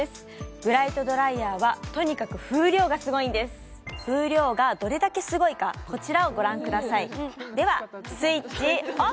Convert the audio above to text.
ブライトドライヤーはとにかく風量がどれだけすごいかこちらをご覧くださいではスイッチオン！